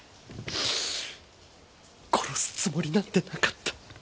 殺すつもりなんてなかった。